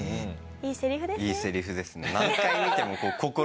いいセリフですね。